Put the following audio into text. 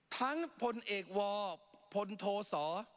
ทั้งผลเอกวอร์ผลโทสอ